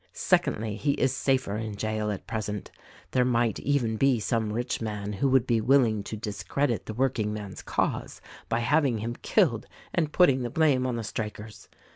"Secondly, he is safer in jail, at present: there might even be some rich man who would be willing to discredit the workingmen's cause by having him killed and putting the blame on the strikers.